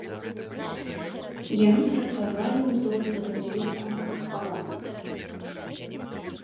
Яны працавалі ўздоўж гэтых дзвюх танкавых калон.